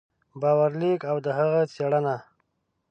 باور لیک او د هغه څېړنه